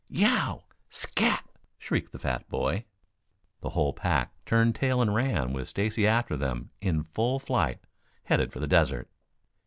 "Yeow! Scat!" shrieked the fat boy. The whole pack turned tail and ran with Stacy after them in full flight, headed for the desert.